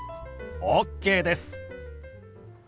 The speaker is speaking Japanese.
ＯＫです！